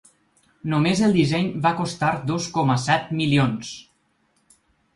Només el disseny va costar dos coma set milions.